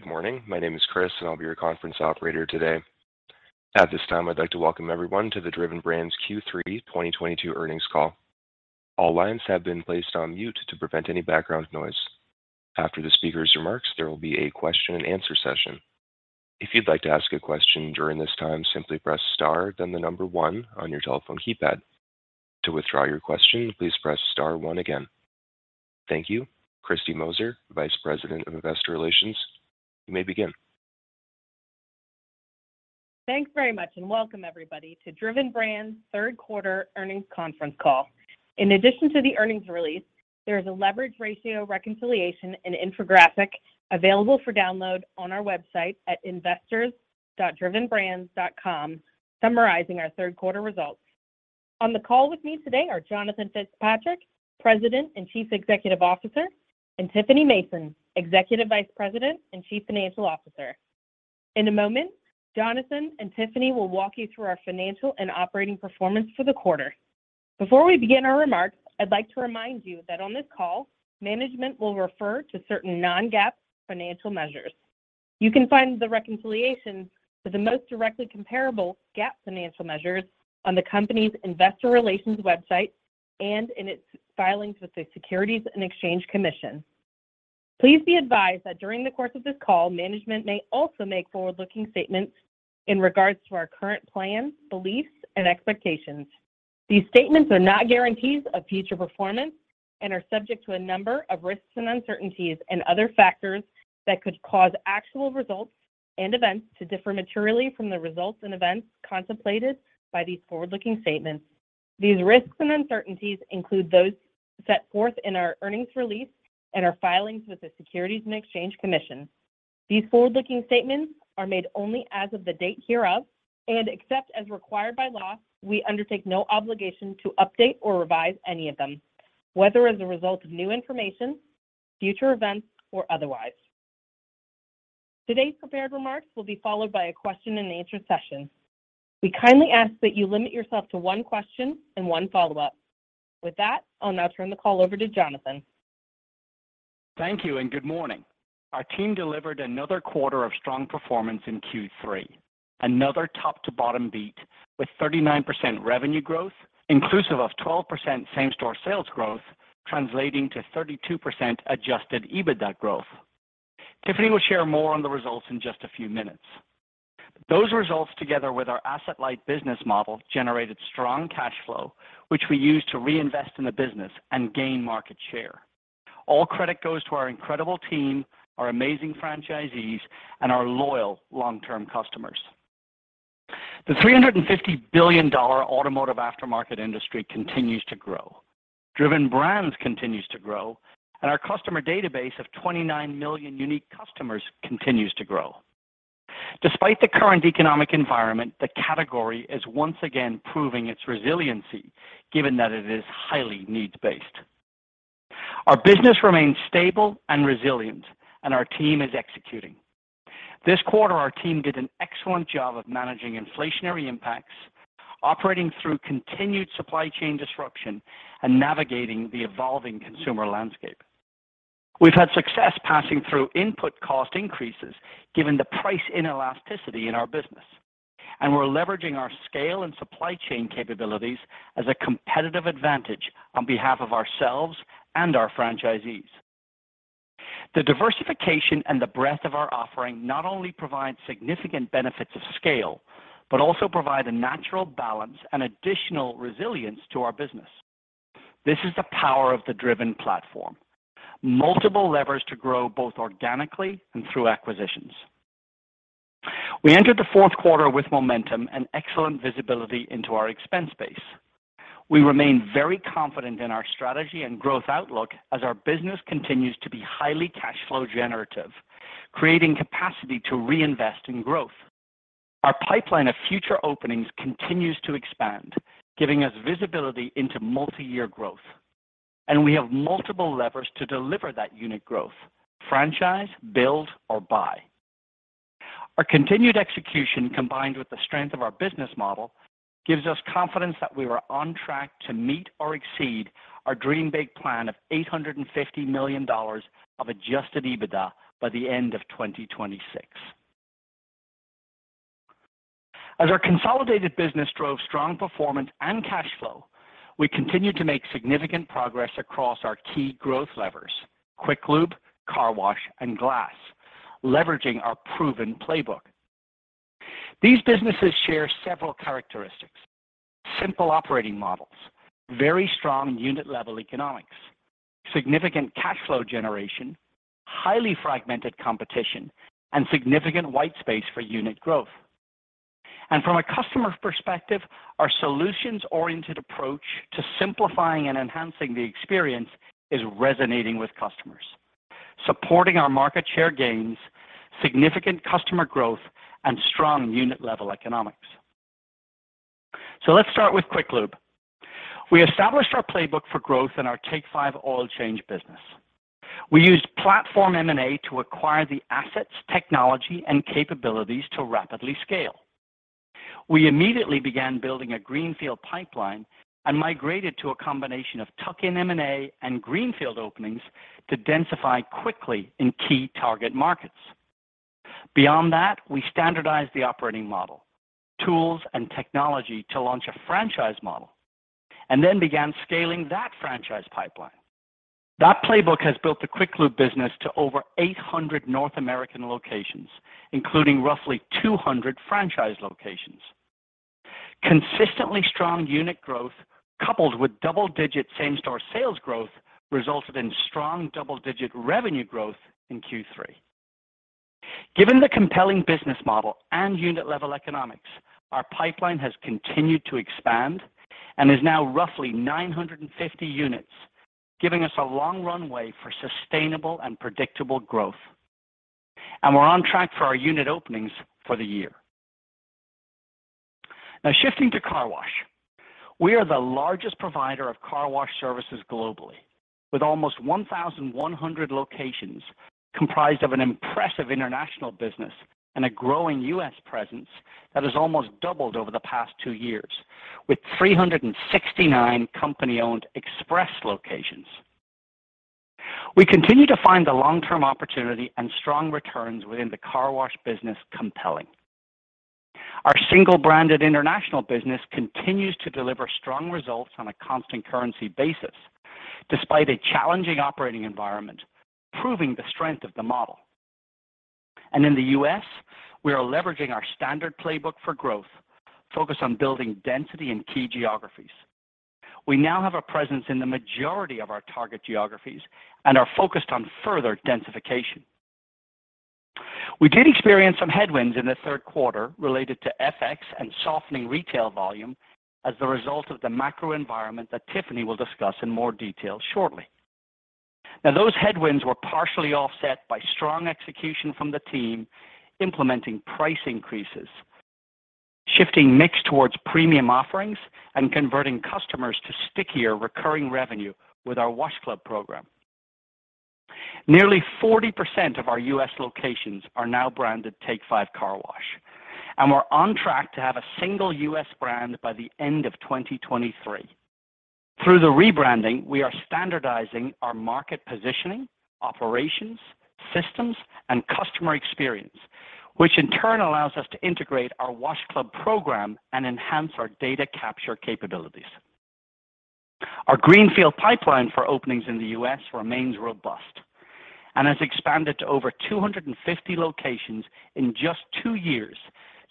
Good morning. My name is Chris, and I'll be your conference operator today. At this time, I'd like to welcome everyone to the Driven Brands Q3 2022 earnings call. All lines have been placed on mute to prevent any background noise. After the speaker's remarks, there will be a question and answer session. If you'd like to ask a question during this time, simply press star then the number one on your telephone keypad. To withdraw your question, please press star one again. Thank you. Kristine Moser, Vice President of Investor Relations, you may begin. Thanks very much, and welcome everybody to Driven Brands' third quarter earnings conference call. In addition to the earnings release, there is a leverage ratio reconciliation and infographic available for download on our website at investors.drivenbrands.com summarizing our third quarter results. On the call with me today are Jonathan Fitzpatrick, President and Chief Executive Officer, and Tiffany Mason, Executive Vice President and Chief Financial Officer. In a moment, Jonathan and Tiffany will walk you through our financial and operating performance for the quarter. Before we begin our remarks, I'd like to remind you that on this call, management will refer to certain non-GAAP financial measures. You can find the reconciliation to the most directly comparable GAAP financial measures on the company's investor relations website and in its filings with the Securities and Exchange Commission. Please be advised that during the course of this call, management may also make forward-looking statements in regards to our current plans, beliefs, and expectations. These statements are not guarantees of future performance and are subject to a number of risks and uncertainties and other factors that could cause actual results and events to differ materially from the results and events contemplated by these forward-looking statements. These risks and uncertainties include those set forth in our earnings release and our filings with the Securities and Exchange Commission. These forward-looking statements are made only as of the date hereof, and except as required by law, we undertake no obligation to update or revise any of them, whether as a result of new information, future events, or otherwise. Today's prepared remarks will be followed by a question and answer session. We kindly ask that you limit yourself to one question and one follow-up. With that, I'll now turn the call over to Jonathan. Thank you and good morning. Our team delivered another quarter of strong performance in Q3. Another top to bottom beat with 39% revenue growth, inclusive of 12% same-store sales growth, translating to 32% adjusted EBITDA growth. Tiffany will share more on the results in just a few minutes. Those results, together with our asset-light business model, generated strong cash flow, which we used to reinvest in the business and gain market share. All credit goes to our incredible team, our amazing franchisees, and our loyal long-term customers. The $350 billion automotive aftermarket industry continues to grow. Driven Brands continues to grow, and our customer database of 29 million unique customers continues to grow. Despite the current economic environment, the category is once again proving its resiliency given that it is highly needs-based. Our business remains stable and resilient, and our team is executing. This quarter, our team did an excellent job of managing inflationary impacts, operating through continued supply chain disruption and navigating the evolving consumer landscape. We've had success passing through input cost increases given the price inelasticity in our business, and we're leveraging our scale and supply chain capabilities as a competitive advantage on behalf of ourselves and our franchisees. The diversification and the breadth of our offering not only provide significant benefits of scale but also provide a natural balance and additional resilience to our business. This is the power of the Driven platform. Multiple levers to grow both organically and through acquisitions. We entered the fourth quarter with momentum and excellent visibility into our expense base. We remain very confident in our strategy and growth outlook as our business continues to be highly cash flow generative, creating capacity to reinvest in growth. Our pipeline of future openings continues to expand, giving us visibility into multi-year growth, and we have multiple levers to deliver that unit growth, franchise, build or buy. Our continued execution, combined with the strength of our business model, gives us confidence that we are on track to meet or exceed our Dream Big plan of $850 million of adjusted EBITDA by the end of 2026. As our consolidated business drove strong performance and cash flow, we continued to make significant progress across our key growth levers, Quick Lube, car wash, and glass, leveraging our proven playbook. These businesses share several characteristics, simple operating models, very strong unit-level economics, significant cash flow generation, highly fragmented competition, and significant white space for unit growth. From a customer perspective, our solutions-oriented approach to simplifying and enhancing the experience is resonating with customers, supporting our market share gains, significant customer growth, and strong unit-level economics. Let's start with Quick Lube. We established our playbook for growth in our Take 5 Oil Change business. We used platform M&A to acquire the assets, technology, and capabilities to rapidly scale. We immediately began building a greenfield pipeline and migrated to a combination of tuck-in M&A and greenfield openings to densify quickly in key target markets. Beyond that, we standardized the operating model, tools, and technology to launch a franchise model, and then began scaling that franchise pipeline. That playbook has built the Quick Lube business to over 800 North American locations, including roughly 200 franchise locations. Consistently strong unit growth coupled with double-digit same-store sales growth resulted in strong double-digit revenue growth in Q3. Given the compelling business model and unit-level economics, our pipeline has continued to expand and is now roughly 950 units, giving us a long runway for sustainable and predictable growth. We're on track for our unit openings for the year. Now shifting to car wash. We are the largest provider of car wash services globally, with almost 1,100 locations comprised of an impressive international business and a growing U.S. presence that has almost doubled over the past two years with 369 company-owned express locations. We continue to find the long-term opportunity and strong returns within the car wash business compelling. Our single-branded international business continues to deliver strong results on a constant currency basis despite a challenging operating environment, proving the strength of the model. In the U.S., we are leveraging our standard playbook for growth, focused on building density in key geographies. We now have a presence in the majority of our target geographies and are focused on further densification. We did experience some headwinds in the third quarter related to FX and softening retail volume as a result of the macro environment that Tiffany will discuss in more detail shortly. Now, those headwinds were partially offset by strong execution from the team, implementing price increases, shifting mix towards premium offerings, and converting customers to stickier recurring revenue with our Wash Club program. Nearly 40% of our U.S. locations are now branded Take 5 Car Wash, and we're on track to have a single U.S. brand by the end of 2023. Through the rebranding, we are standardizing our market positioning, operations, systems, and customer experience, which in turn allows us to integrate our Wash Club program and enhance our data capture capabilities. Our greenfield pipeline for openings in the U.S. remains robust and has expanded to over 250 locations in just two years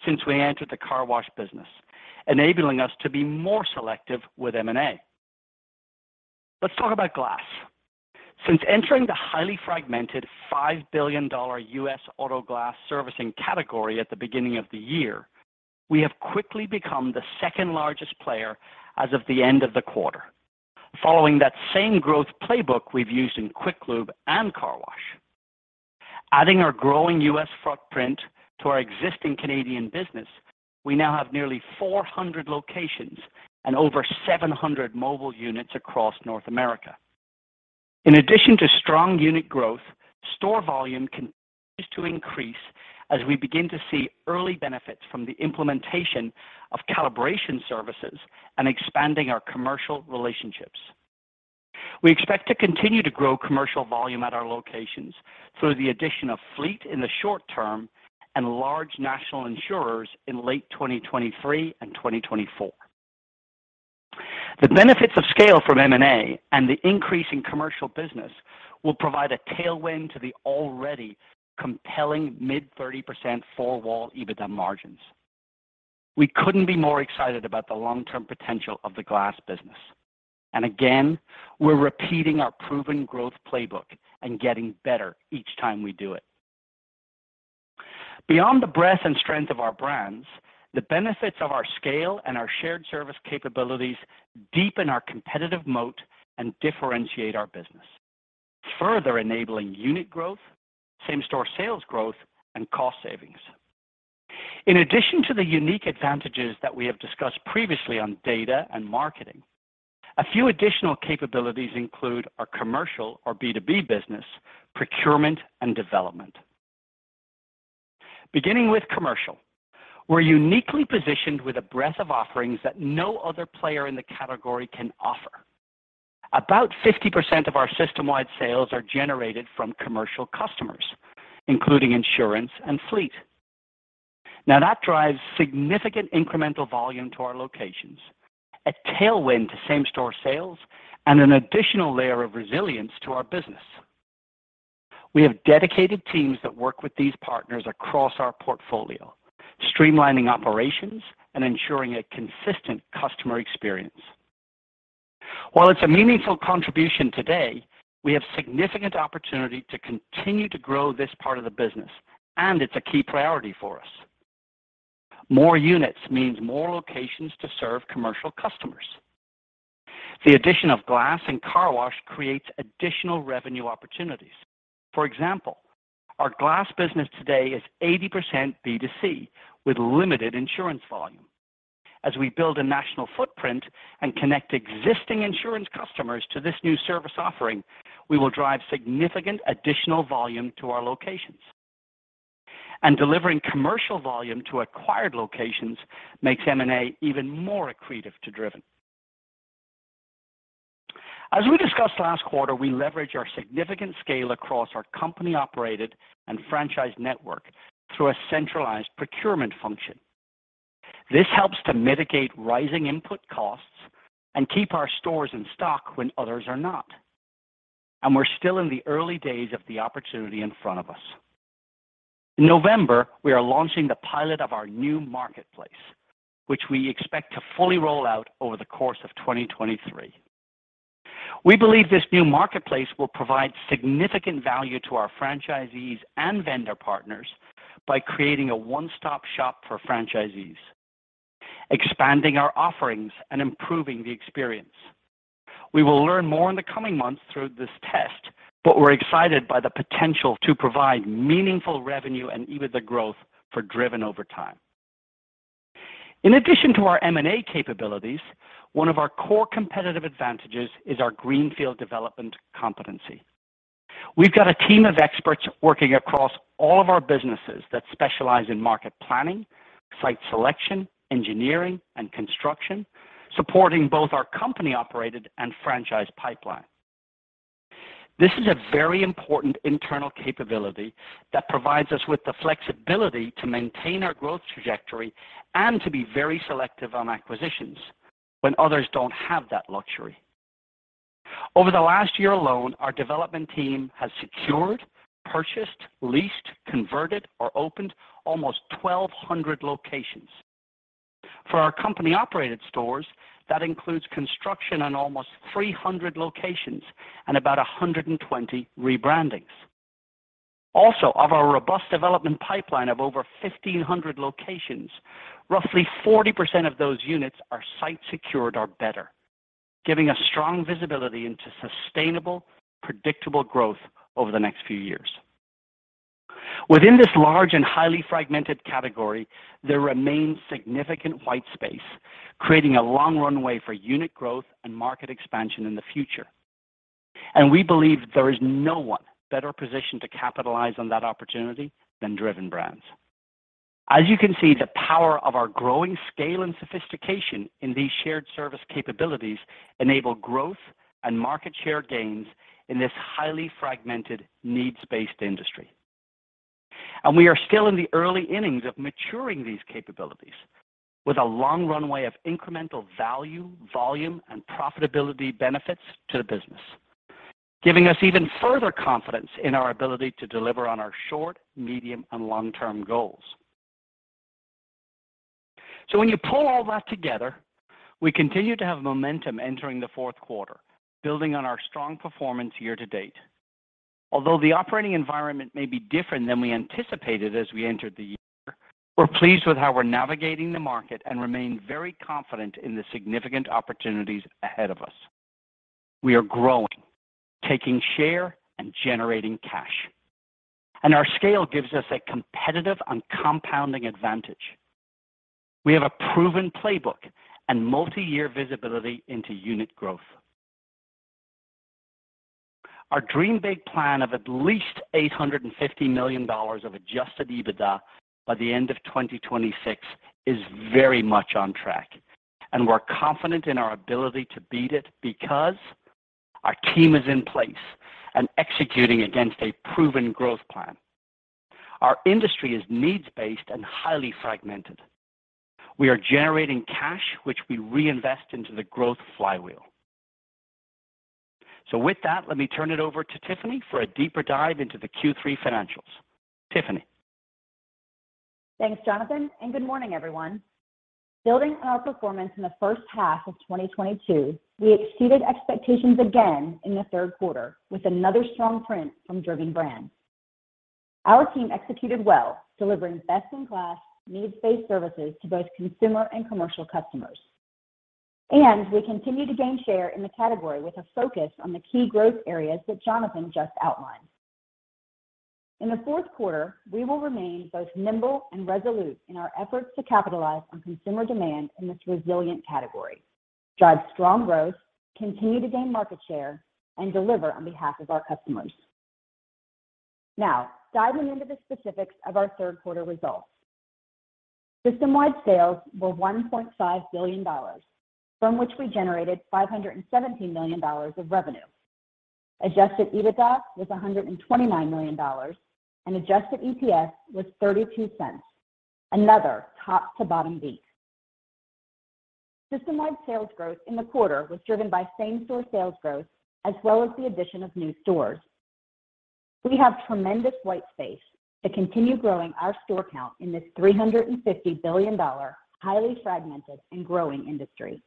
since we entered the car wash business, enabling us to be more selective with M&A. Let's talk about glass. Since entering the highly fragmented $5 billion U.S. auto glass servicing category at the beginning of the year, we have quickly become the second-largest player as of the end of the quarter. Following that same growth playbook we've used in Quick Lube and car wash. Adding our growing U.S. footprint to our existing Canadian business, we now have nearly 400 locations and over 700 mobile units across North America. In addition to strong unit growth, store volume continues to increase as we begin to see early benefits from the implementation of calibration services and expanding our commercial relationships. We expect to continue to grow commercial volume at our locations through the addition of fleet in the short term and large national insurers in late 2023 and 2024. The benefits of scale from M&A and the increase in commercial business will provide a tailwind to the already compelling mid-30% four-wall EBITDA margins. We couldn't be more excited about the long-term potential of the glass business. Again, we're repeating our proven growth playbook and getting better each time we do it. Beyond the breadth and strength of our brands, the benefits of our scale and our shared service capabilities deepen our competitive moat and differentiate our business, further enabling unit growth, same-store sales growth, and cost savings. In addition to the unique advantages that we have discussed previously on data and marketing, a few additional capabilities include our commercial, or B2B business, procurement, and development. Beginning with commercial, we're uniquely positioned with a breadth of offerings that no other player in the category can offer. About 50% of our system-wide sales are generated from commercial customers, including insurance and fleet. Now, that drives significant incremental volume to our locations, a tailwind to same-store sales, and an additional layer of resilience to our business. We have dedicated teams that work with these partners across our portfolio, streamlining operations and ensuring a consistent customer experience. While it's a meaningful contribution today, we have significant opportunity to continue to grow this part of the business, and it's a key priority for us. More units means more locations to serve commercial customers. The addition of glass and car wash creates additional revenue opportunities. For example, our glass business today is 80% B2C with limited insurance volume. As we build a national footprint and connect existing insurance customers to this new service offering, we will drive significant additional volume to our locations. Delivering commercial volume to acquired locations makes M&A even more accretive to Driven. As we discussed last quarter, we leverage our significant scale across our company-operated and franchise network through a centralized procurement function. This helps to mitigate rising input costs and keep our stores in stock when others are not. We're still in the early days of the opportunity in front of us. In November, we are launching the pilot of our new marketplace, which we expect to fully roll out over the course of 2023. We believe this new marketplace will provide significant value to our franchisees and vendor partners by creating a one-stop shop for franchisees, expanding our offerings and improving the experience. We will learn more in the coming months through this test, but we're excited by the potential to provide meaningful revenue and EBITDA growth for Driven over time. In addition to our M&A capabilities, one of our core competitive advantages is our greenfield development competency. We've got a team of experts working across all of our businesses that specialize in market planning, site selection, engineering, and construction, supporting both our company-operated and franchise pipeline. This is a very important internal capability that provides us with the flexibility to maintain our growth trajectory and to be very selective on acquisitions when others don't have that luxury. Over the last year alone, our development team has secured, purchased, leased, converted, or opened almost 1,200 locations. For our company-operated stores, that includes construction on almost 300 locations and about 120 rebrandings. Also, of our robust development pipeline of over 1,500 locations, roughly 40% of those units are site secured or better, giving us strong visibility into sustainable, predictable growth over the next few years. Within this large and highly fragmented category, there remains significant white space, creating a long runway for unit growth and market expansion in the future. We believe there is no one better positioned to capitalize on that opportunity than Driven Brands. As you can see, the power of our growing scale and sophistication in these shared service capabilities enable growth and market share gains in this highly fragmented, needs-based industry. We are still in the early innings of maturing these capabilities with a long runway of incremental value, volume, and profitability benefits to the business, giving us even further confidence in our ability to deliver on our short, medium, and long-term goals. When you pull all that together, we continue to have momentum entering the fourth quarter, building on our strong performance year-to-date. Although the operating environment may be different than we anticipated as we entered the year, we're pleased with how we're navigating the market and remain very confident in the significant opportunities ahead of us. We are growing, taking share, and generating cash, and our scale gives us a competitive and compounding advantage. We have a proven playbook and multi-year visibility into unit growth. Our Dream Big plan of at least $850 million of adjusted EBITDA by the end of 2026 is very much on track, and we're confident in our ability to beat it because our team is in place and executing against a proven growth plan. Our industry is needs-based and highly fragmented. We are generating cash, which we reinvest into the growth flywheel. With that, let me turn it over to Tiffany for a deeper dive into the Q3 financials. Tiffany? Thanks, Jonathan, and good morning, everyone. Building on our performance in the first half of 2022, we exceeded expectations again in the third quarter with another strong print from Driven Brands. Our team executed well, delivering best-in-class, needs-based services to both consumer and commercial customers. We continue to gain share in the category with a focus on the key growth areas that Jonathan just outlined. In the fourth quarter, we will remain both nimble and resolute in our efforts to capitalize on consumer demand in this resilient category, drive strong growth, continue to gain market share, and deliver on behalf of our customers. Now, diving into the specifics of our third quarter results. System-wide sales were $1.5 billion, from which we generated $517 million of revenue. Adjusted EBITDA was $129 million, and adjusted EPS was $0.32. Another top-to-bottom beat. System-wide sales growth in the quarter was driven by same-store sales growth as well as the addition of new stores. We have tremendous white space to continue growing our store count in this $350 billion, highly fragmented and growing industry.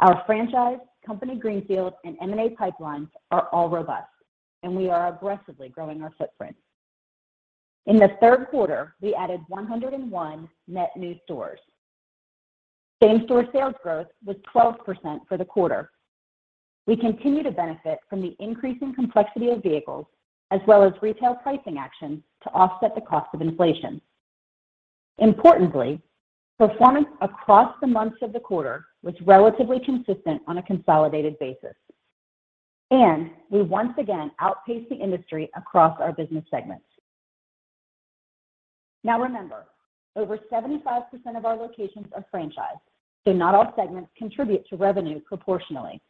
Our franchise, company greenfield, and M&A pipelines are all robust, and we are aggressively growing our footprint. In the third quarter, we added 101 net new stores. Same-store sales growth was 12% for the quarter. We continue to benefit from the increasing complexity of vehicles as well as retail pricing actions to offset the cost of inflation. Importantly, performance across the months of the quarter was relatively consistent on a consolidated basis, and we once again outpaced the industry across our business segments. Now remember, over 75% of our locations are franchised, so not all segments contribute to revenue proportionally.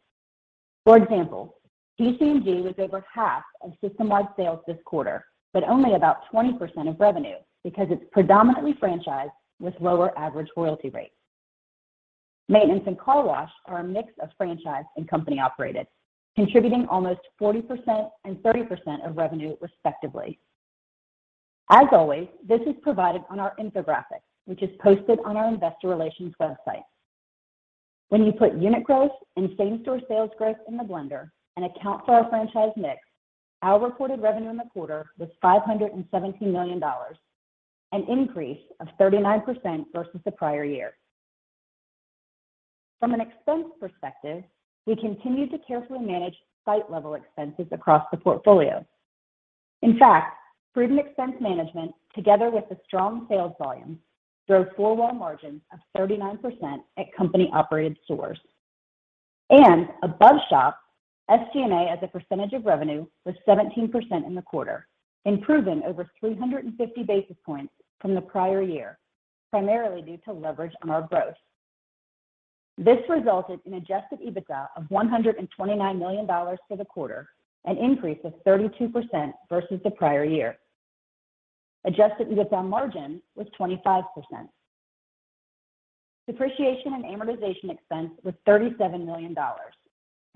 For example, PC&G was over half of system-wide sales this quarter, but only about 20% of revenue because it's predominantly franchised with lower average royalty rates. Maintenance and car wash are a mix of franchise and company-operated, contributing almost 40% and 30% of revenue, respectively. As always, this is provided on our infographic, which is posted on our investor relations website. When you put unit growth and same-store sales growth in the blender and account for our franchise mix, our reported revenue in the quarter was $517 million, an increase of 39% versus the prior year. From an expense perspective, we continued to carefully manage site-level expenses across the portfolio. In fact, prudent expense management, together with the strong sales volume, drove four-wall margins of 39% at company-operated stores. Above-shop SG&A as a percentage of revenue was 17% in the quarter, improving over 350 basis points from the prior year, primarily due to leverage on our growth. This resulted in adjusted EBITDA of $129 million for the quarter, an increase of 32% versus the prior year. Adjusted EBITDA margin was 25%. Depreciation and amortization expense was $37 million.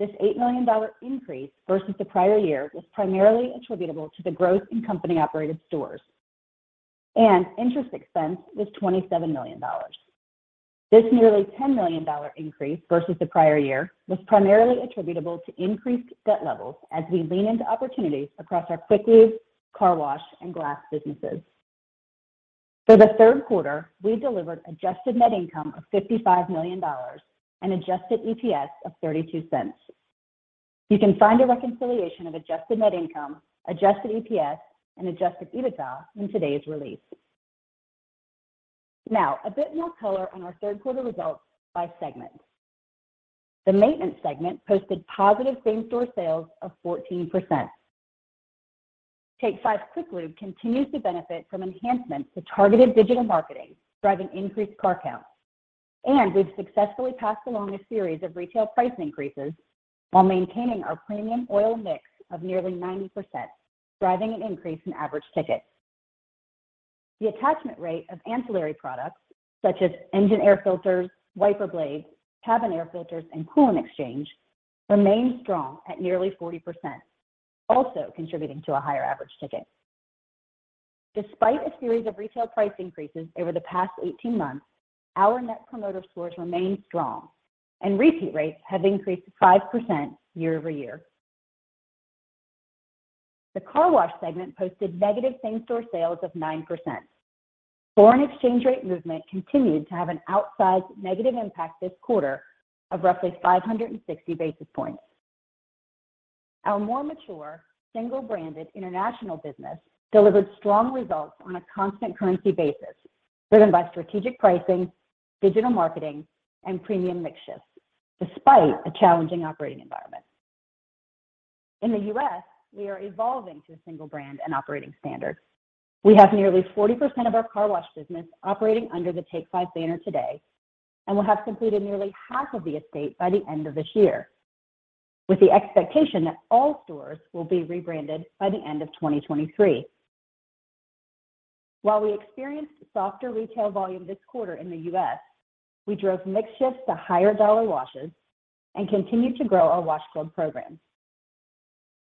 This $8 million increase versus the prior year was primarily attributable to the growth in company-operated stores. Interest expense was $27 million. This nearly $10 million increase versus the prior year was primarily attributable to increased debt levels as we lean into opportunities across our quick lube, car wash, and glass businesses. For the third quarter, we delivered adjusted net income of $55 million and adjusted EPS of $0.32. You can find a reconciliation of adjusted net income, adjusted EPS, and adjusted EBITDA in today's release. Now, a bit more color on our third quarter results by segment. The maintenance segment posted positive same-store sales of 14%. Take 5 quick lube continues to benefit from enhancements to targeted digital marketing, driving increased car count. We've successfully passed along a series of retail price increases while maintaining our premium oil mix of nearly 90%, driving an increase in average ticket. The attachment rate of ancillary products such as engine air filters, wiper blades, cabin air filters, and coolant exchange remains strong at nearly 40%, also contributing to a higher average ticket. Despite a series of retail price increases over the past 18 months, our net promoter scores remain strong and repeat rates have increased 5% year-over-year. The car wash segment posted negative same-store sales of 9%. Foreign exchange rate movement continued to have an outsized negative impact this quarter of roughly 560 basis points. Our more mature, single-branded international business delivered strong results on a constant currency basis, driven by strategic pricing, digital marketing, and premium mix shifts despite a challenging operating environment. In the U.S., we are evolving to a single brand and operating standard. We have nearly 40% of our car wash business operating under the Take 5 banner today, and we'll have completed nearly half of the estate by the end of this year, with the expectation that all stores will be rebranded by the end of 2023. While we experienced softer retail volume this quarter in the U.S., we drove mix shifts to higher dollar washes and continued to grow our Wash Club program.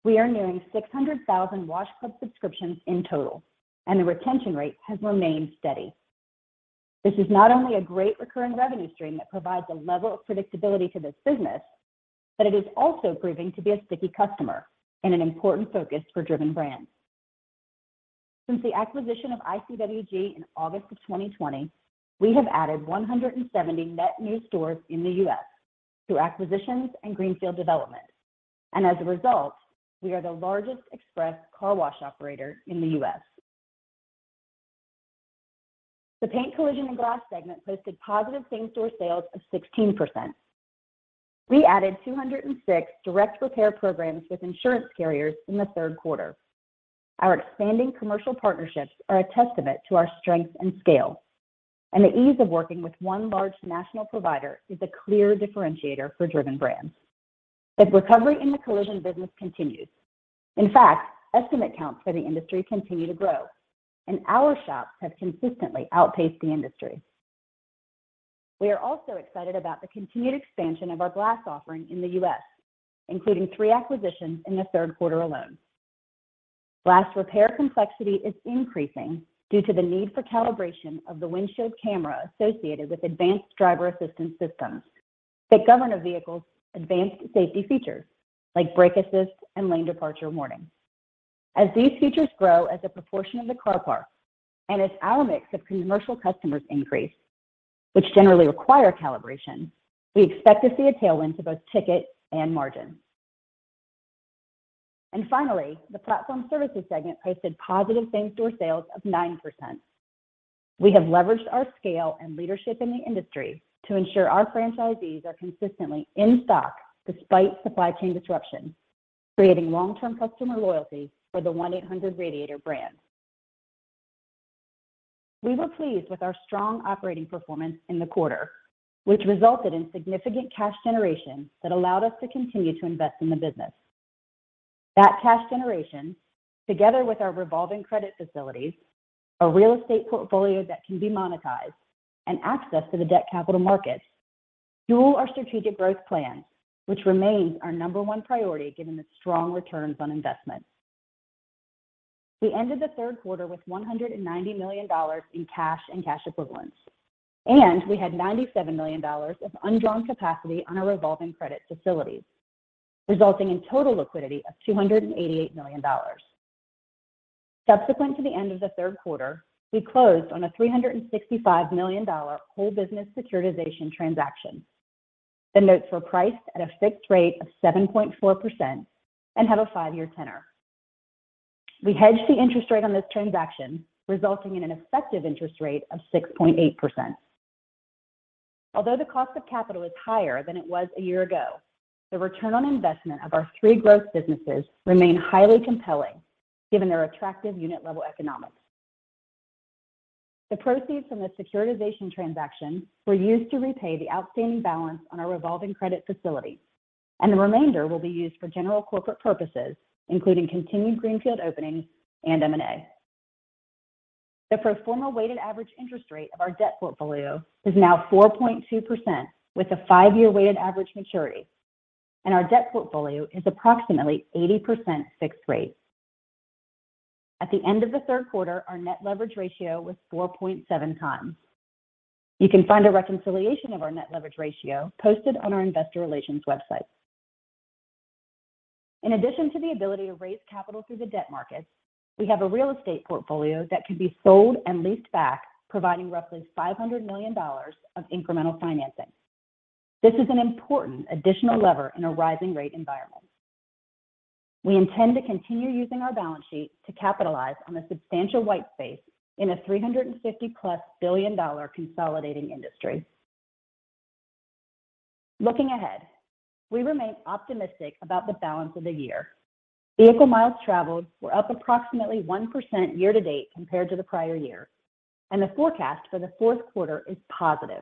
We are nearing 600,000 Wash Club subscriptions in total, and the retention rate has remained steady. This is not only a great recurring revenue stream that provides a level of predictability to this business, but it is also proving to be a sticky customer and an important focus for Driven Brands. Since the acquisition of ICWG in August of 2020, we have added 170 net new stores in the U.S. through acquisitions and greenfield development. As a result, we are the largest express car wash operator in the U.S. The paint, collision, and glass segment posted positive same-store sales of 16%. We added 206 direct repair programs with insurance carriers in the third quarter. Our expanding commercial partnerships are a testament to our strength and scale, and the ease of working with one large national provider is a clear differentiator for Driven Brands. As recovery in the collision business continues, in fact, estimate counts for the industry continue to grow and our shops have consistently outpaced the industry. We are also excited about the continued expansion of our glass offering in the U.S., including three acquisitions in the third quarter alone. Glass repair complexity is increasing due to the need for calibration of the windshield camera associated with advanced driver assistance systems that govern a vehicle's advanced safety features like brake assist and lane departure warning. As these features grow as a proportion of the car park, and as our mix of commercial customers increase, which generally require calibration, we expect to see a tailwind to both ticket and margin. Finally, the platform services segment posted positive same-store sales of 9%. We have leveraged our scale and leadership in the industry to ensure our franchisees are consistently in stock despite supply chain disruption, creating long-term customer loyalty for the 1-800-Radiator brand. We were pleased with our strong operating performance in the quarter, which resulted in significant cash generation that allowed us to continue to invest in the business. That cash generation, together with our revolving credit facilities, a real estate portfolio that can be monetized and access to the debt capital markets, fuel our strategic growth plan, which remains our number one priority given the strong returns on investment. We ended the third quarter with $190 million in cash and cash equivalents, and we had $97 million of undrawn capacity on our revolving credit facilities, resulting in total liquidity of $288 million. Subsequent to the end of the third quarter, we closed on a $365 million whole business securitization transaction. The notes were priced at a fixed rate of 7.4% and have a 5-year tenor. We hedged the interest rate on this transaction, resulting in an effective interest rate of 6.8%. Although the cost of capital is higher than it was a year ago, the return on investment of our three growth businesses remain highly compelling given their attractive unit level economics. The proceeds from the securitization transaction were used to repay the outstanding balance on our revolving credit facility, and the remainder will be used for general corporate purposes, including continued greenfield openings and M&A. The pro forma weighted average interest rate of our debt portfolio is now 4.2% with a 5-year weighted average maturity, and our debt portfolio is approximately 80% fixed rate. At the end of the third quarter, our net leverage ratio was 4.7 times. You can find a reconciliation of our net leverage ratio posted on our investor relations website. In addition to the ability to raise capital through the debt markets, we have a real estate portfolio that can be sold and leased back, providing roughly $500 million of incremental financing. This is an important additional lever in a rising rate environment. We intend to continue using our balance sheet to capitalize on a substantial white space in a $350+ billion consolidating industry. Looking ahead, we remain optimistic about the balance of the year. Vehicle miles traveled were up approximately 1% year to date compared to the prior year, and the forecast for the fourth quarter is positive.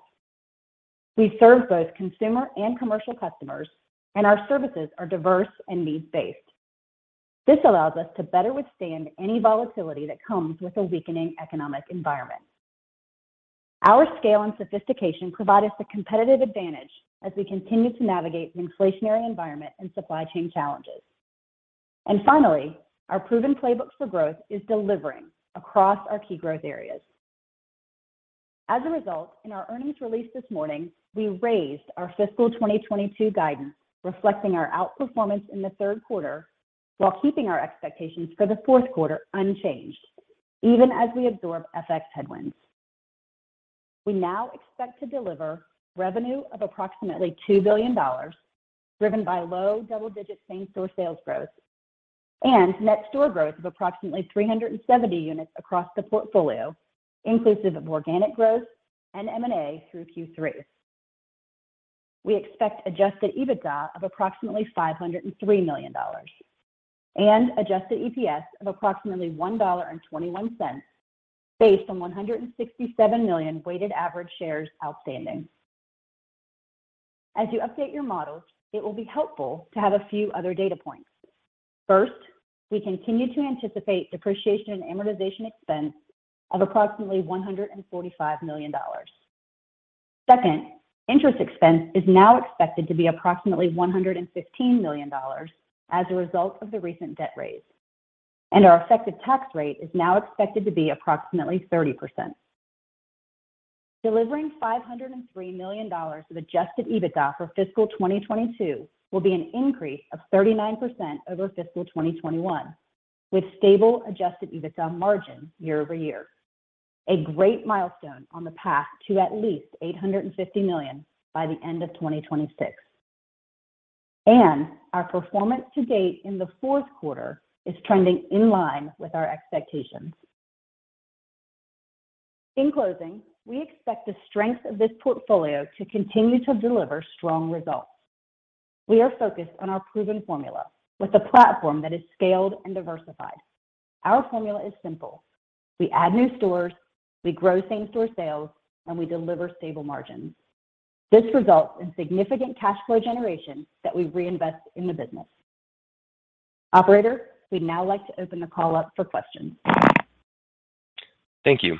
We serve both consumer and commercial customers, and our services are diverse and needs-based. This allows us to better withstand any volatility that comes with a weakening economic environment. Our scale and sophistication provide us a competitive advantage as we continue to navigate an inflationary environment and supply chain challenges. Finally, our proven playbook for growth is delivering across our key growth areas. As a result, in our earnings release this morning, we raised our fiscal 2022 guidance, reflecting our outperformance in the third quarter while keeping our expectations for the fourth quarter unchanged, even as we absorb FX headwinds. We now expect to deliver revenue of approximately $2 billion, driven by low double-digit same-store sales growth and net store growth of approximately 370 units across the portfolio, inclusive of organic growth and M&A through Q3. We expect adjusted EBITDA of approximately $503 million and adjusted EPS of approximately $1.21 based on 167 million weighted average shares outstanding. As you update your models, it will be helpful to have a few other data points. First, we continue to anticipate depreciation and amortization expense of approximately $145 million. Second, interest expense is now expected to be approximately $115 million as a result of the recent debt raise, and our effective tax rate is now expected to be approximately 30%. Delivering $503 million of adjusted EBITDA for fiscal 2022 will be an increase of 39% over fiscal 2021, with stable adjusted EBITDA margin year-over-year. A great milestone on the path to at least $850 million by the end of 2026. Our performance to date in the fourth quarter is trending in line with our expectations. In closing, we expect the strength of this portfolio to continue to deliver strong results. We are focused on our proven formula with a platform that is scaled and diversified. Our formula is simple. We add new stores, we grow same-store sales, and we deliver stable margins. This results in significant cash flow generation that we reinvest in the business. Operator, we'd now like to open the call up for questions. Thank you.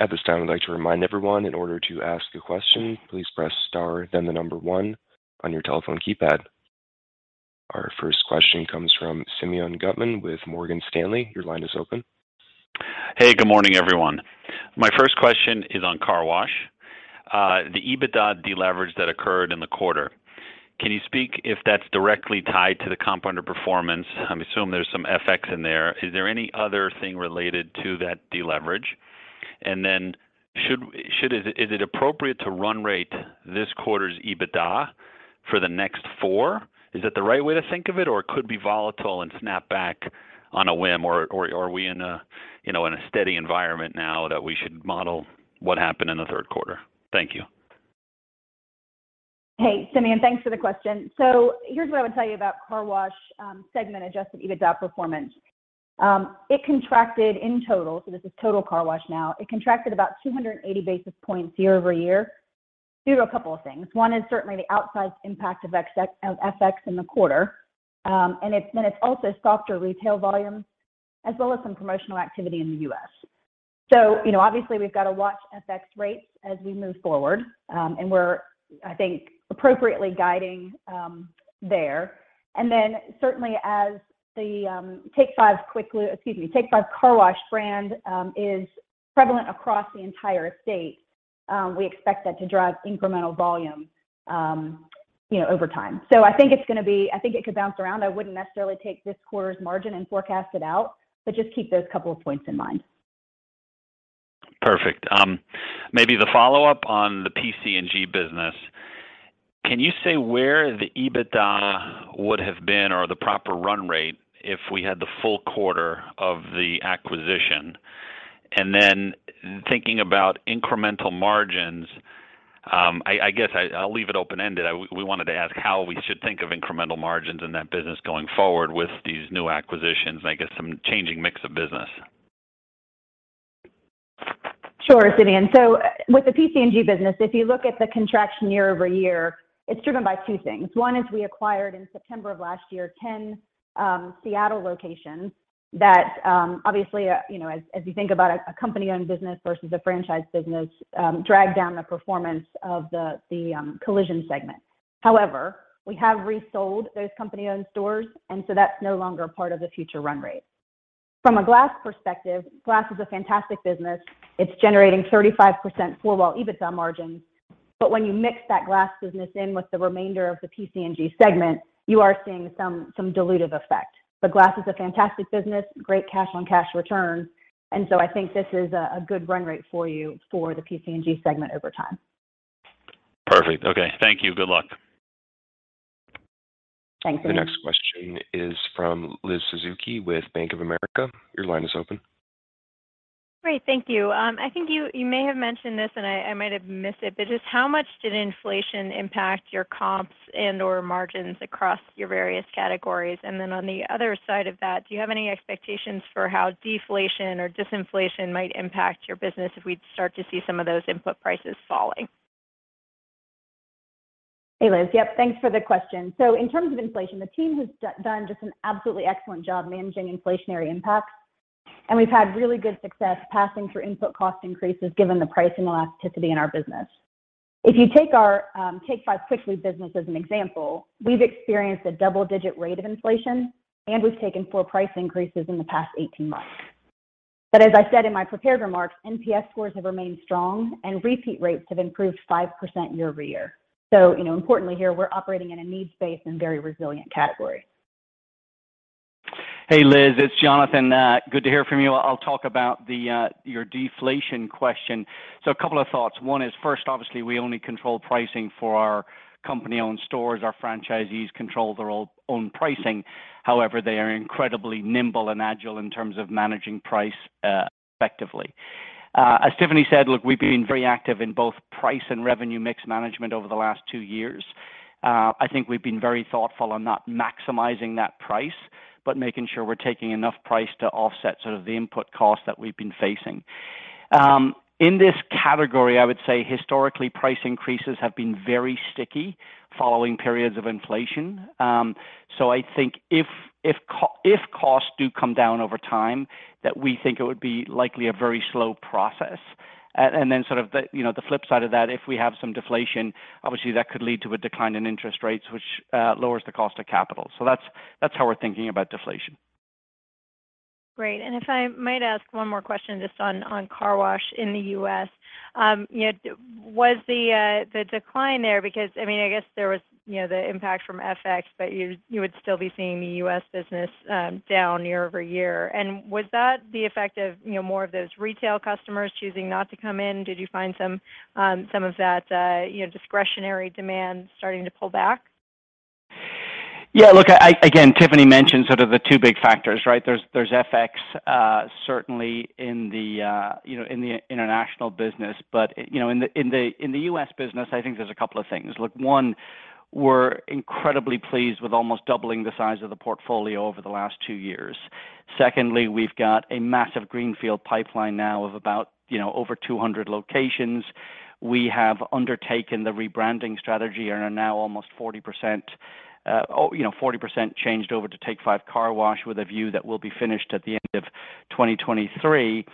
At this time, I'd like to remind everyone in order to ask a question, please press star then the number one on your telephone keypad. Our first question comes from Simeon Gutman with Morgan Stanley. Your line is open. Hey, good morning, everyone. My first question is on car wash. The EBITDA deleverage that occurred in the quarter, can you speak if that's directly tied to the comp underperformance? I'm assuming there's some FX in there. Is there any other thing related to that deleverage? And then should it? Is it appropriate to run rate this quarter's EBITDA for the next four? Is that the right way to think of it, or it could be volatile and snap back on a whim? Or are we in a you know steady environment now that we should model what happened in the third quarter? Thank you. Hey, Simeon. Thanks for the question. Here's what I would tell you about car wash segment adjusted EBITDA performance. It contracted in total, so this is total car wash now. It contracted about 280 basis points year-over-year due to a couple of things. One is certainly the outsized impact of FX in the quarter. Then it's also softer retail volumes as well as some promotional activity in the US. You know, obviously we've got to watch FX rates as we move forward, and we're, I think, appropriately guiding there. Then certainly as the Take 5 Car Wash brand is prevalent across the entire state, we expect that to drive incremental volume, you know, over time. I think it could bounce around. I wouldn't necessarily take this quarter's margin and forecast it out, but just keep those couple of points in mind. Perfect. Maybe the follow-up on the PC&G business. Can you say where the EBITDA would have been or the proper run rate if we had the full quarter of the acquisition? Thinking about incremental margins, I guess I'll leave it open-ended. We wanted to ask how we should think of incremental margins in that business going forward with these new acquisitions and I guess some changing mix of business. Sure, Simeon. With the PC&G business, if you look at the contraction year-over-year, it's driven by two things. One is we acquired in September of last year, 10 Seattle locations that obviously you know as you think about a company-owned business versus a franchise business drag down the performance of the collision segment. However, we have resold those company-owned stores, and so that's no longer part of the future run rate. From a glass perspective, glass is a fantastic business. It's generating 35% four-wall EBITDA margins. When you mix that glass business in with the remainder of the PC&G segment, you are seeing some dilutive effect. Glass is a fantastic business, great cash-on-cash return, and so I think this is a good run rate for you for the PC&G segment over time. Perfect. Okay. Thank you. Good luck. Thanks, Simeon. The next question is from Liz Suzuki with Bank of America. Your line is open. Great. Thank you. I think you may have mentioned this and I might have missed it, but just how much did inflation impact your comps and/or margins across your various categories? On the other side of that, do you have any expectations for how deflation or disinflation might impact your business if we start to see some of those input prices falling? Hey, Liz. Yep, thanks for the question. In terms of inflation, the team has done just an absolutely excellent job managing inflationary impacts, and we've had really good success passing through input cost increases given the pricing elasticity in our business. If you take our Take 5 Quick Lube business as an example, we've experienced a double-digit rate of inflation, and we've taken 4 price increases in the past 18 months. As I said in my prepared remarks, NPS scores have remained strong and repeat rates have improved 5% year-over-year. You know, importantly here, we're operating in a needs-based and very resilient category. Hey, Liz. It's Jonathan. Good to hear from you. I'll talk about your deflation question. A couple of thoughts. One is first, obviously, we only control pricing for our company-owned stores. Our franchisees control their own pricing. However, they are incredibly nimble and agile in terms of managing price effectively. As Tiffany said, look, we've been very active in both price and revenue mix management over the last two years. I think we've been very thoughtful on not maximizing that price, but making sure we're taking enough price to offset sort of the input costs that we've been facing. In this category, I would say historically, price increases have been very sticky following periods of inflation. I think if costs do come down over time, that we think it would be likely a very slow process. Sort of the, you know, the flip side of that, if we have some deflation, obviously that could lead to a decline in interest rates, which lowers the cost of capital. That's how we're thinking about deflation. Great. If I might ask one more question just on car wash in the U.S. You know, was the decline there because, I mean, I guess there was, you know, the impact from FX, but you would still be seeing the U.S. business down year-over-year. Was that the effect of, you know, more of those retail customers choosing not to come in? Did you find some of that, you know, discretionary demand starting to pull back? Yeah, look, again, Tiffany mentioned sort of the two big factors, right? There's FX certainly in the, you know, in the international business. You know in the US business, I think there's a couple of things. Look, one, we're incredibly pleased with almost doubling the size of the portfolio over the last two years. Secondly, we've got a massive greenfield pipeline now of about, you know, over 200 locations. We have undertaken the rebranding strategy and are now almost 40%, or, you know, 40% changed over to Take 5 Car Wash with a view that we'll be finished at the end of 2023.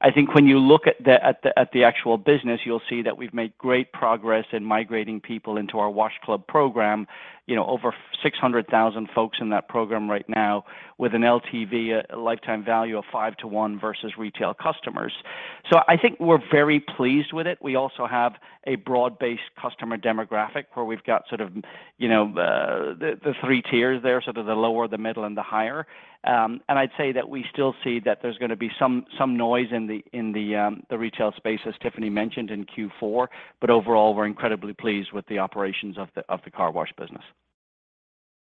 I think when you look at the actual business, you'll see that we've made great progress in migrating people into our Wash Club program. You know, over 600,000 folks in that program right now with an LTV, a lifetime value of 5 to 1 versus retail customers. I think we're very pleased with it. We also have a broad-based customer demographic where we've got sort of, you know, the three tiers there, sort of the lower, the middle, and the higher. I'd say that we still see that there's gonna be some noise in the retail space, as Tiffany mentioned, in Q4. Overall, we're incredibly pleased with the operations of the car wash business.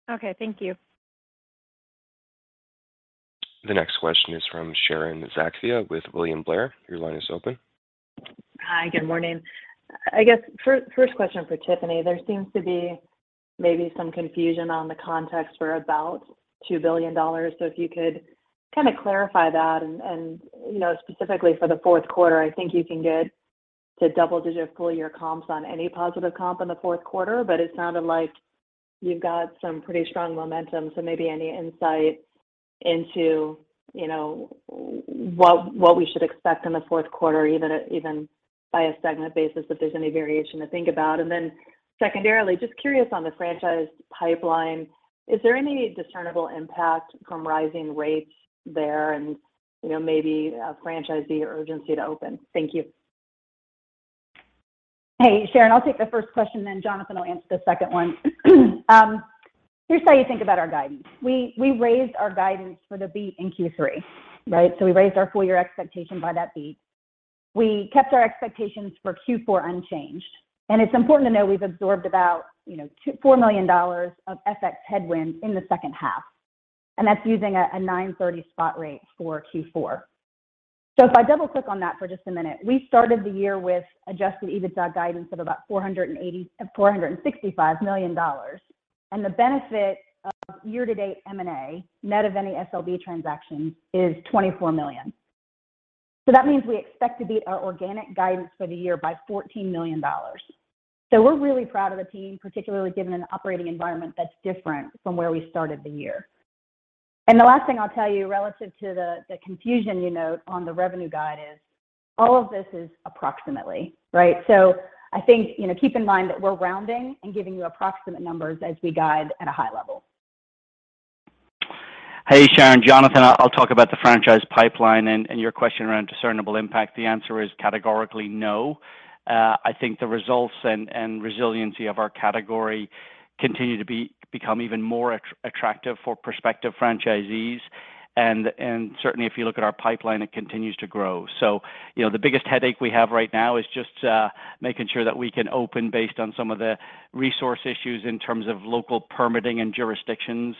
Okay, thank you. The next question is from Sharon Zackfia with William Blair. Your line is open. Hi. Good morning. I guess first question for Tiffany. There seems to be maybe some confusion on the context for about $2 billion. So if you could kinda clarify that and, you know, specifically for the fourth quarter, I think you can get to double-digit full year comps on any positive comp in the fourth quarter, but it sounded like you've got some pretty strong momentum, so maybe any insight into, you know, what we should expect in the fourth quarter, even by a segment basis, if there's any variation to think about. Then secondarily, just curious on the franchise pipeline, is there any discernible impact from rising rates there and, you know, maybe a franchisee urgency to open? Thank you. Hey, Sharon Zackfia. I'll take the first question, then Jonathan Fitzpatrick will answer the second one. Here's how you think about our guidance. We raised our guidance for the beat in Q3, right? We raised our full year expectation by that beat. We kept our expectations for Q4 unchanged, and it's important to know we've absorbed about $4 million of FX headwinds in the second half, and that's using a 9:30 spot rate for Q4. If I double-click on that for just a minute, we started the year with adjusted EBITDA guidance of about $465 million. The benefit of year-to-date M&A, net of any SLB transactions, is $24 million. That means we expect to beat our organic guidance for the year by $14 million. We're really proud of the team, particularly given an operating environment that's different from where we started the year. The last thing I'll tell you, relative to the confusion you note on the revenue guide, is all of this approximately, right? I think, you know, keep in mind that we're rounding and giving you approximate numbers as we guide at a high level. Hey, Sharon. Jonathan. I'll talk about the franchise pipeline and your question around discernible impact. The answer is categorically no. I think the results and resiliency of our category continue to become even more attractive for prospective franchisees. Certainly if you look at our pipeline, it continues to grow. You know, the biggest headache we have right now is just making sure that we can open based on some of the resource issues in terms of local permitting and jurisdictions,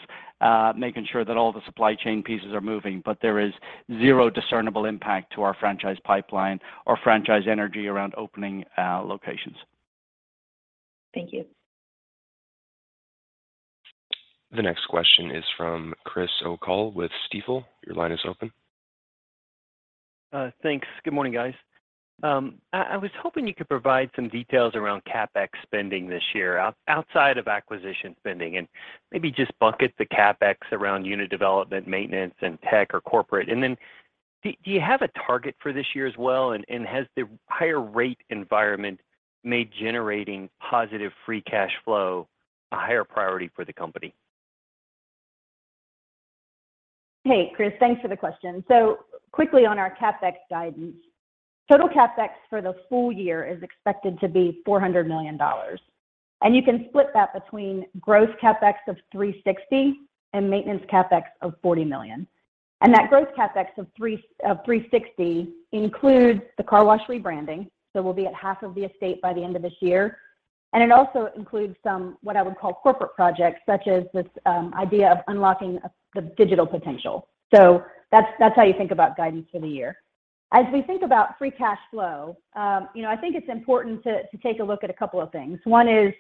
making sure that all the supply chain pieces are moving. There is zero discernible impact to our franchise pipeline or franchise energy around opening locations. Thank you. The next question is from Chris O'Cull with Stifel. Your line is open. Thanks. Good morning, guys. I was hoping you could provide some details around CapEx spending this year outside of acquisition spending, and maybe just bucket the CapEx around unit development, maintenance, and tech or corporate. Do you have a target for this year as well? Has the higher rate environment made generating positive free cash flow a higher priority for the company? Hey, Chris, thanks for the question. Quickly on our CapEx guidance, total CapEx for the full year is expected to be $400 million. You can split that between gross CapEx of $360 million and maintenance CapEx of $40 million. That gross CapEx of $360 million includes the car wash rebranding. We'll be at half of the estate by the end of this year. It also includes some, what I would call corporate projects, such as this, idea of unlocking the digital potential. That's how you think about guidance for the year. As we think about free cash flow, you know, I think it's important to take a look at a couple of things. One is,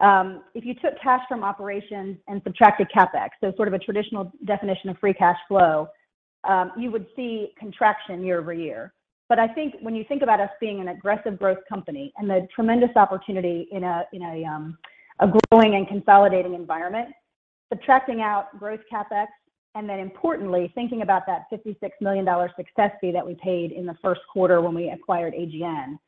if you took cash from operations and subtracted CapEx, so sort of a traditional definition of free cash flow, you would see contraction year-over-year. I think when you think about us being an aggressive growth company and the tremendous opportunity in a growing and consolidating environment, subtracting out growth CapEx, and then importantly, thinking about that $56 million success fee that we paid in the first quarter when we acquired AGN,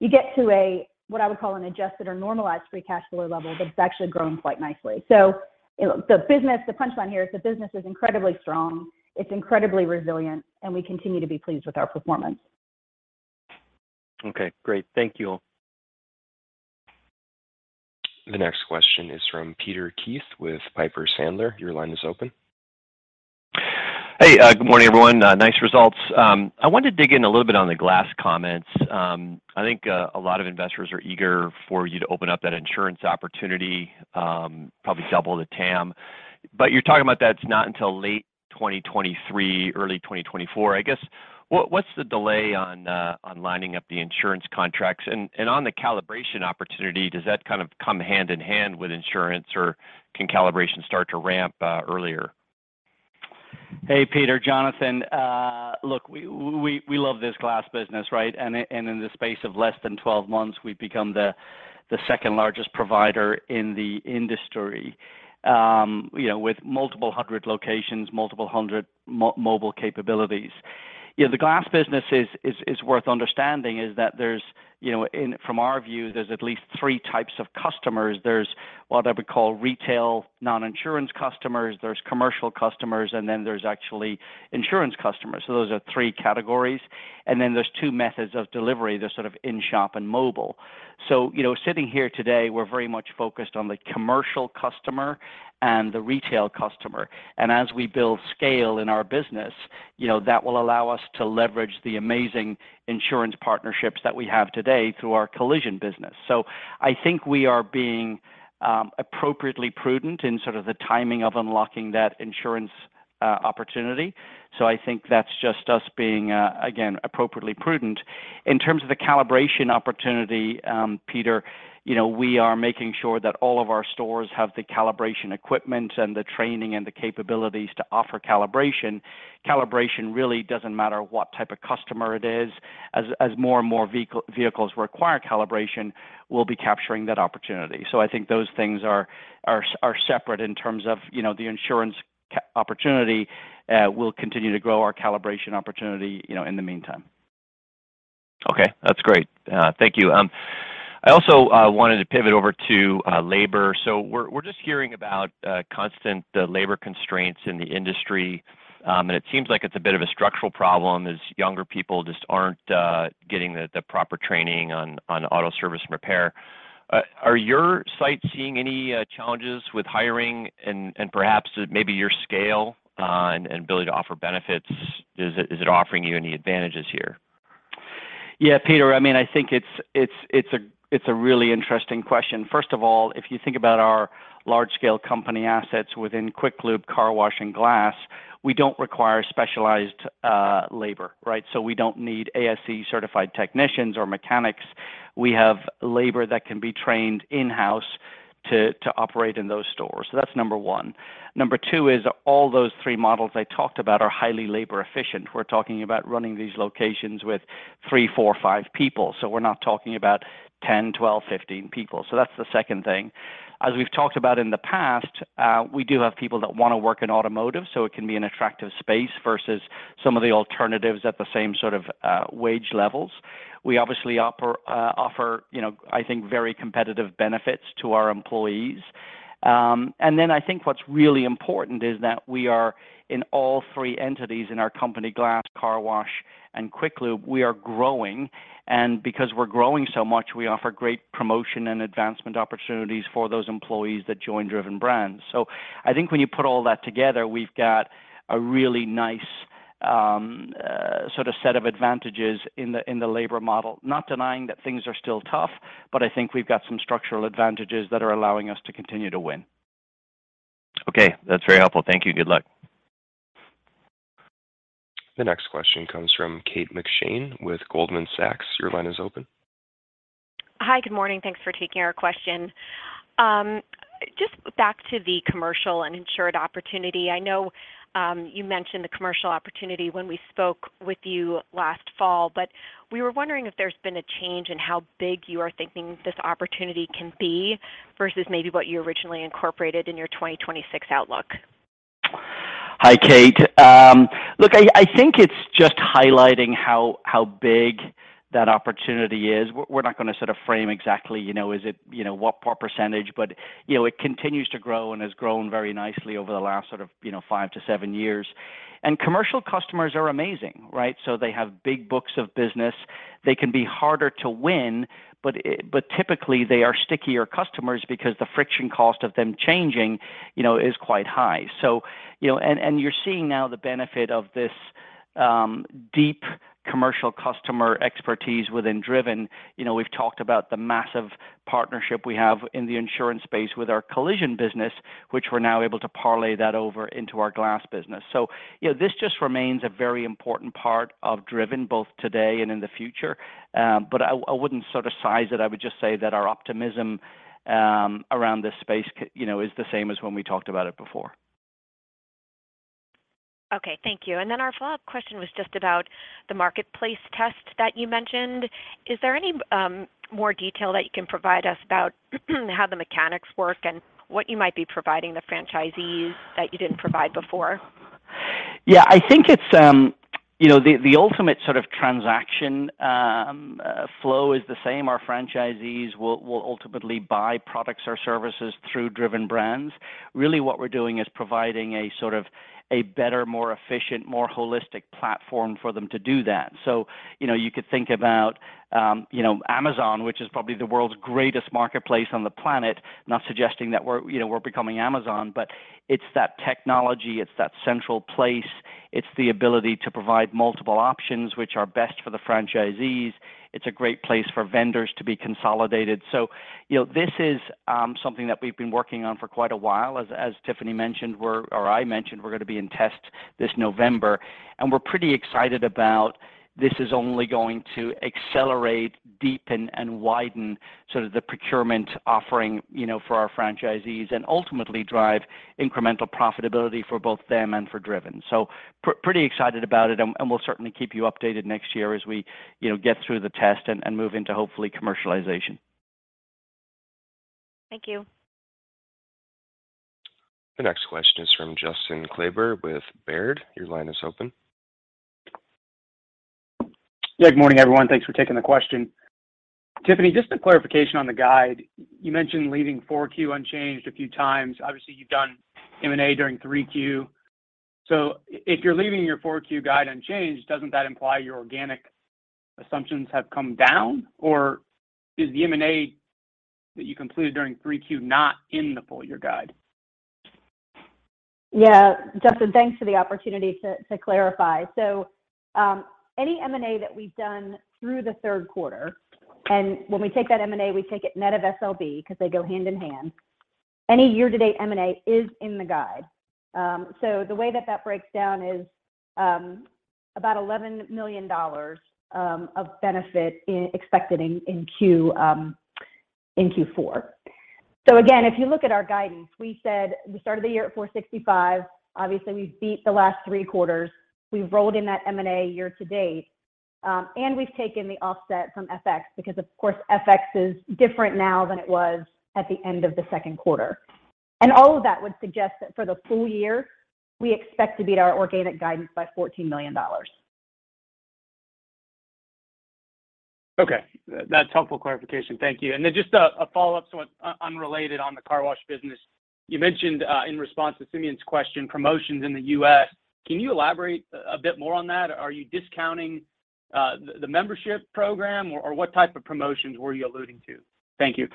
you get to a what I would call an adjusted or normalized free cash flow level that's actually grown quite nicely. The business, the punch line here is the business is incredibly strong, it's incredibly resilient, and we continue to be pleased with our performance. Okay, great. Thank you all. The next question is from Peter Keith with Piper Sandler. Your line is open. Hey, good morning, everyone. Nice results. I wanted to dig in a little bit on the glass comments. I think a lot of investors are eager for you to open up that insurance opportunity, probably double the TAM. You're talking about that's not until late 2023, early 2024. I guess, what's the delay on lining up the insurance contracts? And on the calibration opportunity, does that kind of come hand in hand with insurance, or can calibration start to ramp earlier? Hey, Peter. Jonathan. We love this glass business, right? In the space of less than 12 months, we've become the second-largest provider in the industry, you know, with multiple hundred locations, multiple hundred mobile capabilities. You know, the glass business is worth understanding, you know, from our view, there's at least three types of customers. There's what I would call retail, non-insurance customers, there's commercial customers, and then there's actually insurance customers. Those are three categories. There's two methods of delivery. There's sort of in-shop and mobile. You know, sitting here today, we're very much focused on the commercial customer and the retail customer. As we build scale in our business, you know, that will allow us to leverage the amazing insurance partnerships that we have today through our collision business. I think we are being appropriately prudent in sort of the timing of unlocking that insurance opportunity. I think that's just us being again appropriately prudent. In terms of the calibration opportunity, Peter, you know, we are making sure that all of our stores have the calibration equipment and the training and the capabilities to offer calibration. Calibration really doesn't matter what type of customer it is. As more and more vehicles require calibration, we'll be capturing that opportunity. I think those things are separate in terms of, you know, the insurance opportunity will continue to grow our calibration opportunity, you know, in the meantime. Okay, that's great. Thank you. I also wanted to pivot over to labor. We're just hearing about constant labor constraints in the industry. It seems like it's a bit of a structural problem as younger people just aren't getting the proper training on auto service and repair. Are your sites seeing any challenges with hiring and perhaps maybe your scale and ability to offer benefits? Is it offering you any advantages here? Yeah, Peter, I mean, I think it's a really interesting question. First of all, if you think about our large scale company assets within Quick Lube, car wash, and glass, we don't require specialized labor, right? So we don't need ASE certified technicians or mechanics. We have labor that can be trained in-house to operate in those stores. So that's number one. Number two is all those three models I talked about are highly labor efficient. We're talking about running these locations with three, four, five people. So we're not talking about 10, 12, 15 people. So that's the second thing. As we've talked about in the past, we do have people that wanna work in automotive, so it can be an attractive space versus some of the alternatives at the same sort of wage levels. We obviously offer, you know, I think, very competitive benefits to our employees. I think what's really important is that we are in all three entities in our company glass, car wash, and Quick Lube. We are growing. Because we're growing so much, we offer great promotion and advancement opportunities for those employees that join Driven Brands. I think when you put all that together, we've got a really nice, sort of set of advantages in the labor model. Not denying that things are still tough, but I think we've got some structural advantages that are allowing us to continue to win. Okay, that's very helpful. Thank you. Good luck. The next question comes from Kate McShane with Goldman Sachs. Your line is open. Hi, good morning. Thanks for taking our question. Just back to the commercial and insured opportunity. I know, you mentioned the commercial opportunity when we spoke with you last fall, but we were wondering if there's been a change in how big you are thinking this opportunity can be versus maybe what you originally incorporated in your 2026 outlook? Hi, Kate. Look, I think it's just highlighting how big that opportunity is. We're not gonna sort of frame exactly, you know, is it, you know, what percentage, but, you know, it continues to grow and has grown very nicely over the last sort of, you know, five to seven years. Commercial customers are amazing, right? They have big books of business. They can be harder to win, but typically they are stickier customers because the friction cost of them changing, you know, is quite high. You're seeing now the benefit of this deep commercial customer expertise within Driven. You know, we've talked about the massive partnership we have in the insurance space with our collision business, which we're now able to parlay that over into our glass business. You know, this just remains a very important part of Driven both today and in the future. I wouldn't sort of size it. I would just say that our optimism around this space you know, is the same as when we talked about it before. Okay, thank you. Our follow-up question was just about the marketplace test that you mentioned. Is there any more detail that you can provide us about how the mechanics work and what you might be providing the franchisees that you didn't provide before? Yeah. I think it's you know, the ultimate sort of transaction flow is the same. Our franchisees will ultimately buy products or services through Driven Brands. Really, what we're doing is providing a sort of a better, more efficient, more holistic platform for them to do that. You know, you could think about you know, Amazon, which is probably the world's greatest marketplace on the planet, not suggesting that we're you know, we're becoming Amazon, but it's that technology, it's that central place. It's the ability to provide multiple options which are best for the franchisees. It's a great place for vendors to be consolidated. You know, this is something that we've been working on for quite a while. As Tiffany mentioned, or I mentioned, we're gonna be in test this November, and we're pretty excited about this. It's only going to accelerate, deepen, and widen sort of the procurement offering, you know, for our franchisees and ultimately drive incremental profitability for both of them and for Driven. We're pretty excited about it, and we'll certainly keep you updated next year as we, you know, get through the test and move into, hopefully, commercialization. Thank you. The next question is from Justin Kleber with Baird. Your line is open. Yeah. Good morning, everyone. Thanks for taking the question. Tiffany, just a clarification on the guide. You mentioned leaving Q4 unchanged a few times. Obviously, you've done M&A during Q3. If you're leaving your 4Q guide unchanged, doesn't that imply your organic assumptions have come down? Or is the M&A that you completed during 3Q not in the full year guide? Yeah, Justin, thanks for the opportunity to clarify. Any M&A that we've done through the third quarter, and when we take that M&A, we take it net of SLB because they go hand in hand. Any year to date M&A is in the guide. The way that that breaks down is about $11 million of benefit expected in Q4. Again, if you look at our guidance, we said we started the year at $465. Obviously, we've beat the last three quarters. We've rolled in that M&A year to date, and we've taken the offset from FX because of course, FX is different now than it was at the end of the second quarter. All of that would suggest that for the full year, we expect to beat our organic guidance by $14 million. Okay, that's helpful clarification. Thank you. Just a follow-up, so unrelated on the car wash business. You mentioned, in response to Simeon's question, promotions in the U.S. Can you elaborate a bit more on that? Are you discounting the membership program or what type of promotions were you alluding to? Thank you.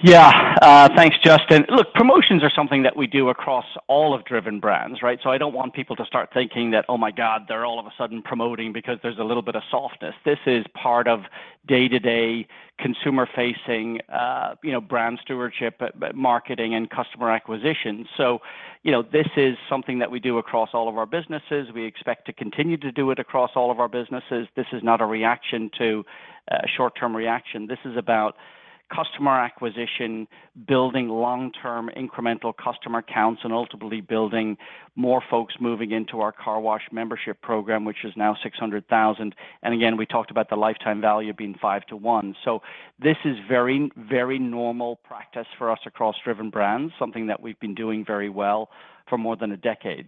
Yeah, thanks, Justin. Look, promotions are something that we do across all of Driven Brands, right? I don't want people to start thinking that, "Oh my God, they're all of a sudden promoting because there's a little bit of softness." This is part of day-to-day consumer facing, you know, brand stewardship, marketing and customer acquisition. You know, this is something that we do across all of our businesses. We expect to continue to do it across all of our businesses. This is not a reaction to a short-term reaction. This is about customer acquisition, building long-term incremental customer counts, and ultimately building more folks moving into our car wash membership program, which is now 600,000. Again, we talked about the lifetime value being 5-to-1. This is very, very normal practice for us across Driven Brands, something that we've been doing very well for more than a decade.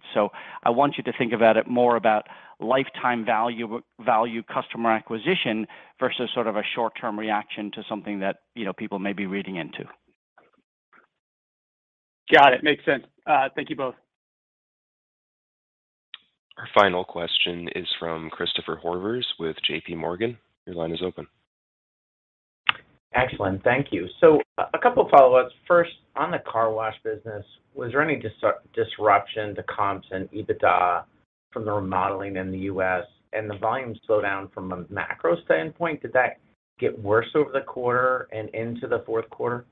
I want you to think about it more about lifetime value customer acquisition versus sort of a short-term reaction to something that, you know, people may be reading into. Got it. Makes sense. Thank you both. Our final question is from Christopher Horvers with JP Morgan. Your line is open. Excellent. Thank you. A couple of follow-ups. First, on the car wash business, was there any disruption to comps and EBITDA from the remodeling in the U.S. and the volume slowdown from a macro standpoint? Did that get worse over the quarter and into the fourth quarter?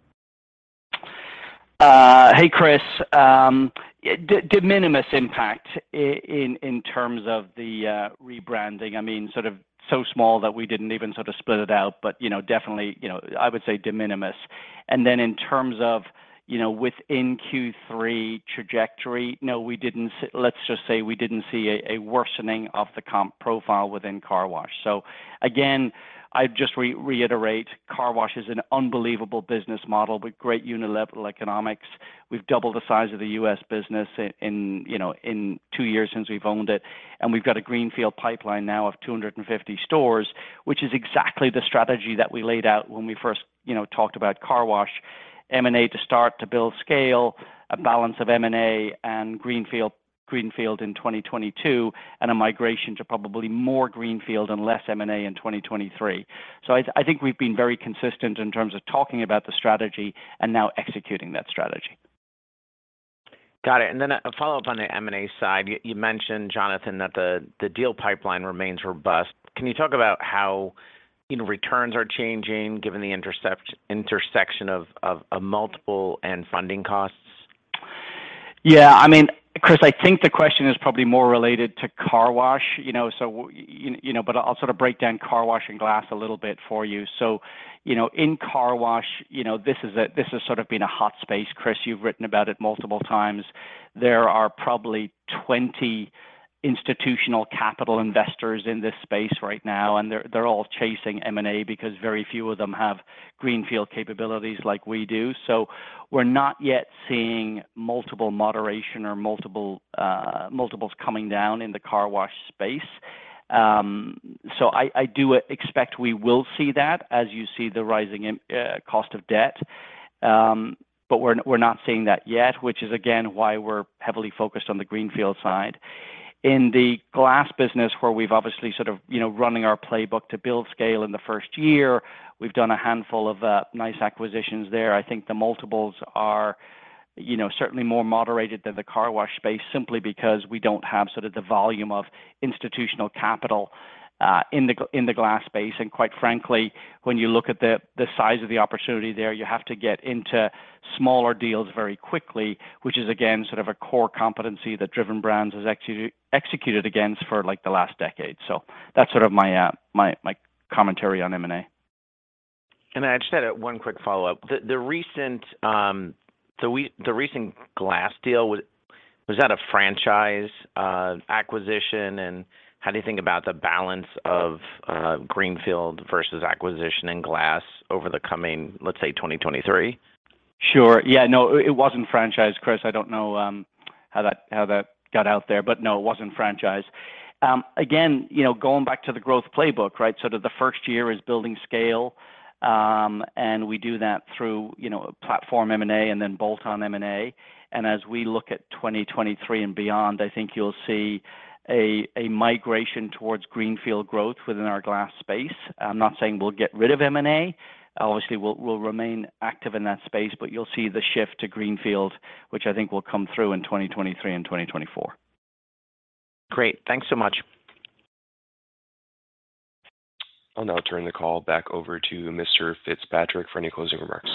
Hey, Chris. De minimis impact in terms of the rebranding. I mean, sort of so small that we didn't even sort of split it out, but, you know, definitely, you know, I would say de minimis. Then in terms of, you know, within Q3 trajectory, no, we didn't. Let's just say we didn't see a worsening of the comp profile within car wash. So again, I just reiterate, car wash is an unbelievable business model with great unit-level economics. We've doubled the size of the U.S. business in, you know, in two years since we've owned it. We've got a greenfield pipeline now of 250 stores, which is exactly the strategy that we laid out when we first, you know, talked about car wash M&A to start to build scale, a balance of M&A and greenfield in 2022, and a migration to probably more greenfield and less M&A in 2023. I think we've been very consistent in terms of talking about the strategy and now executing that strategy. Got it. A follow-up on the M&A side. You mentioned, Jonathan, that the deal pipeline remains robust. Can you talk about how, you know, returns are changing given the intersection of multiple and funding costs? Yeah, I mean, Chris, I think the question is probably more related to car wash, you know. You know, but I'll sort of break down car wash and glass a little bit for you. You know, in car wash, you know, this has sort of been a hot space, Chris. You've written about it multiple times. There are probably 20 institutional capital investors in this space right now, and they're all chasing M&A because very few of them have greenfield capabilities like we do. We're not yet seeing multiple moderation or multiple, multiples coming down in the car wash space. I do expect we will see that as you see the rising cost of debt. We're not seeing that yet, which is again, why we're heavily focused on the greenfield side. In the glass business, where we've obviously sort of, you know, running our playbook to build scale in the first year, we've done a handful of nice acquisitions there. I think the multiples are, you know, certainly more moderated than the car wash space simply because we don't have sort of the volume of institutional capital in the glass space. Quite frankly, when you look at the size of the opportunity there, you have to get into smaller deals very quickly, which is again, sort of a core competency that Driven Brands has executed against for like the last decade. That's sort of my commentary on M&A. I just had one quick follow-up. The recent glass deal, was that a franchise acquisition? How do you think about the balance of greenfield versus acquisition in glass over the coming, let's say, 2023? Sure. Yeah, no, it wasn't franchise, Chris. I don't know how that got out there, but no, it wasn't franchise. Again, you know, going back to the growth playbook, right? The first year is building scale, and we do that through, you know, platform M&A and then bolt-on M&A. As we look at 2023 and beyond, I think you'll see a migration towards greenfield growth within our glass space. I'm not saying we'll get rid of M&A. Obviously, we'll remain active in that space, but you'll see the shift to greenfield, which I think will come through in 2023 and 2024. Great. Thanks so much. I'll now turn the call back over to Mr. Fitzpatrick for any closing remarks.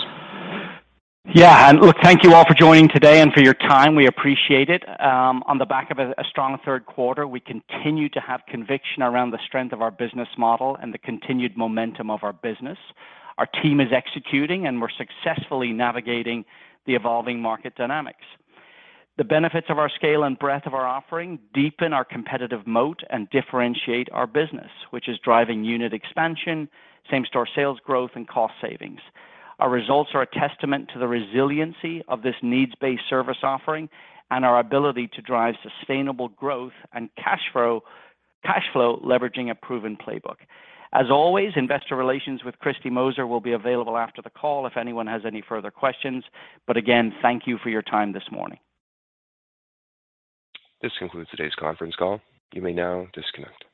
Yeah. Look, thank you all for joining today and for your time. We appreciate it. On the back of a strong third quarter, we continue to have conviction around the strength of our business model and the continued momentum of our business. Our team is executing, and we're successfully navigating the evolving market dynamics. The benefits of our scale and breadth of our offering deepen our competitive moat and differentiate our business, which is driving unit expansion, same-store sales growth, and cost savings. Our results are a testament to the resiliency of this needs-based service offering and our ability to drive sustainable growth and cash flow leveraging a proven playbook. As always, investor relations with Kristine Moser will be available after the call if anyone has any further questions. Again, thank you for your time this morning. This concludes today's conference call. You may now disconnect.